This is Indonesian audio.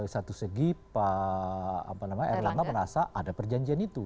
satu segi pak erlang gak merasa ada perjanjian itu